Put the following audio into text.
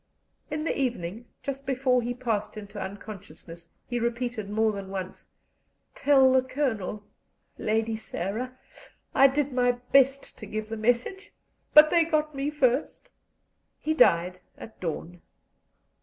In the evening, just before he passed into unconsciousness, he repeated more than once: "Tell the Colonel, Lady Sarah, I did my best to give the message, but they got me first." He died at dawn.